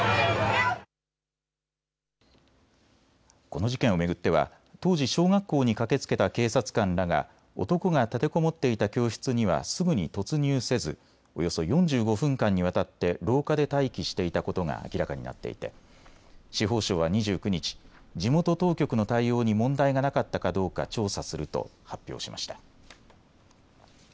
この事件を巡っては当時、小学校に駆けつけた警察官らが男が立てこもっていた教室にはすぐに突入せずおよそ４５分間にわたって廊下で待機していたことが明らかになっていて司法省は２９日、地元当局の対応に問題がなかったかどうか調査すると発表しました。